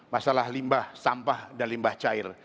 masalah limbah sampah dan limbah cair